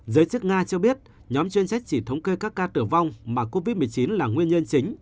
giới chức nga cho biết nhóm chuyên trách chỉ thống kê các ca tử vong mà covid một mươi chín là nguyên nhân chính